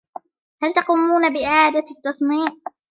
هل تقومون بإعادة التصنيع ؟